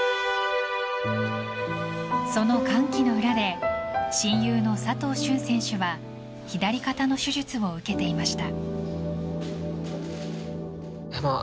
その歓喜の裏で親友の佐藤駿選手は左肩の手術を受けていました。